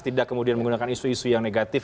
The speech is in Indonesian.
tidak kemudian menggunakan isu isu yang negatif